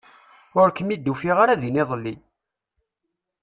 Ur kem-id-ufiɣ ara din iḍelli.